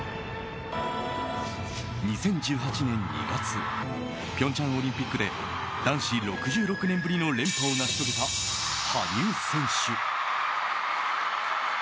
２０１８年２月平昌オリンピックで男子６６年ぶりの連覇を成し遂げた羽生選手。